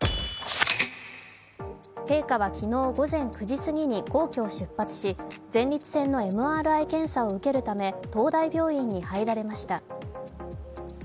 陛下は昨日午前９時すぎに皇居を出発し、前立腺のＭＲＩ検査を受けるため、東大病院に入られました。